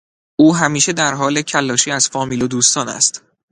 او همیشه در حال کلاشی از فامیل و دوستان است.